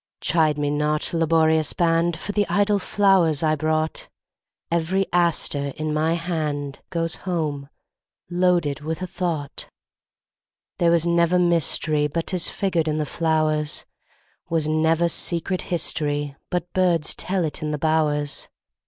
Chide me not, laborious band, For the idle flowers I brought; Every aster in my handGoes home loaded with a thought. There was never mysteryBut 'tis figured in the flowers; SWas never secret historyBut birds tell it in the bowers.